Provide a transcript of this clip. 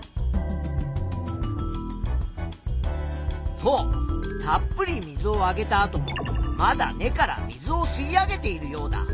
そうたっぷり水をあげたあともまだ根から水を吸い上げているヨウダ。